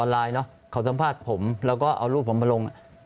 แล้วก็เอารูปผมมาลง